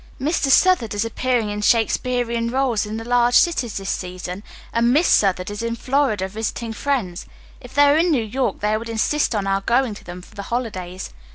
Mr. Southard is appearing in Shakespearian roles in the large cities this season, and Miss Southard is in Florida visiting friends. If they were in New York they would insist on our going to them for the holidays.